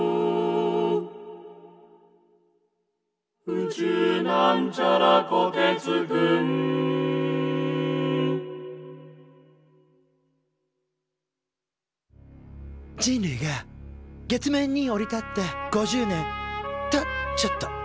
「宇宙」人類が月面に降り立って５０年。とちょっと。